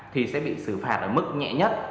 thì sẽ bị xử phạt ở mức nhẹ nhất